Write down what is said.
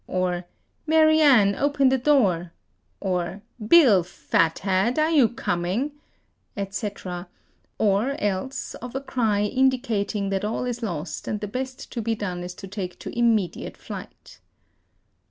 or "Mary Ann, open the door!" or "Bill, fathead, are you coming?" etc.; or else of a ery indicating that all is lost and the best to be done is to take to immediate flight."